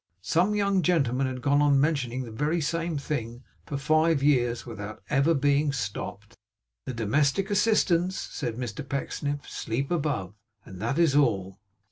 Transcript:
Some young gentlemen had gone on mentioning the very same thing for five years without ever being stopped. 'The domestic assistants,' said Mr Pecksniff, 'sleep above; and that is all.